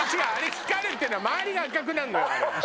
光るってのは回りが赤くなるのよ。